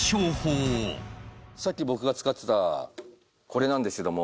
さっき僕が使ってたこれなんですけども。